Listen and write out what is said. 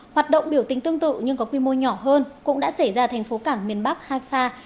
hoạt động biểu tình tương tự nhưng có quy mô nhỏ hơn cũng đã xảy ra thành phố cảng miền bắc hafa